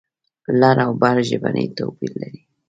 لر او بر ژبنی توپیر لري.